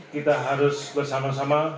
kita harus bersama sama